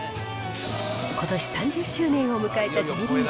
ことし３０周年を迎えたＪリーグ。